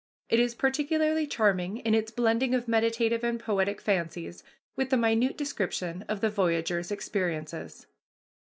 It is particularly charming in its blending of meditative and poetic fancies with the minute description of the voyager's experiences.